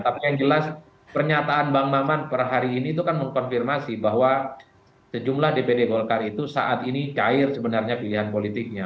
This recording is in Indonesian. tapi yang jelas pernyataan bang maman per hari ini itu kan mengkonfirmasi bahwa sejumlah dpd golkar itu saat ini cair sebenarnya pilihan politiknya